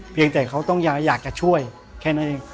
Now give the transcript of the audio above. เพียงแต่เขาต้องอยากจะช่วยแค่นั้นเอง